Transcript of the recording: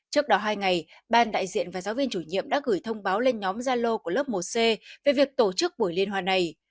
trước đó hai ngày ban đại diện và giáo viên chủ nhiệm đã gửi thông báo lên nhóm gia lô của lớp một c về việc tổ chức buổi liên hoan này